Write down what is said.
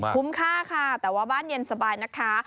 ค่าค่ะแต่ว่าบ้านเย็นสบายนะคะ